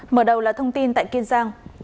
mở đầu là thông tin tại kiên giang